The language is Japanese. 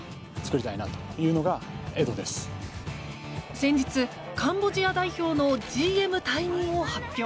先日、カンボジア代表のＧＭ退任を発表。